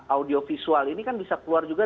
audiovisual ini kan bisa keluar juga